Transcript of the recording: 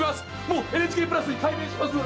もうＮＨＫプラスに改名します！